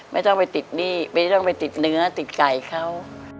ไม่ต้องไปติดเนื้อติดไก่เขา